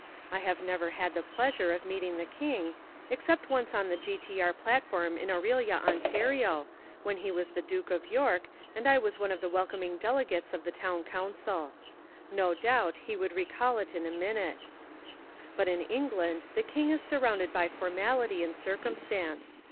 I have never had the pleasure of meeting the King, except once on the G.T.R. platform in Orillia, Ontario, when he was the Duke of York and I was one of the welcoming delegates of the town council. No doubt he would recall it in a minute. But in England the King is surrounded by formality and circumstance.